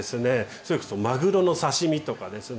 それこそマグロの刺身とかですね。